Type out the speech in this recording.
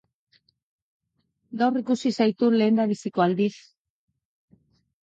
Gaur ikusi zaitut lehendabiziko aldiz.